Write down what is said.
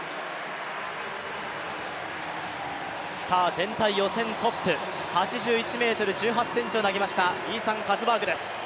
全体予選トップ、８１ｍ１８ｃｍを投げました、イーサン・カツバーグです。